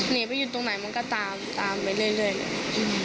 หนีไปอยู่ตรงไหนมันก็ตามตามไปเรื่อยเลย